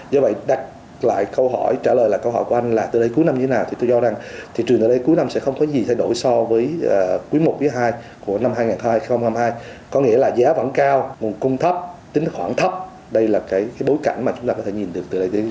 do vậy đặt lại câu hỏi trả lời là câu hỏi của anh là từ đây cuối năm như thế nào